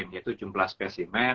yaitu jumlah spesimen